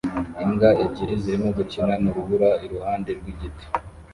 Imbwa ebyiri zirimo gukina mu rubura iruhande rw'igiti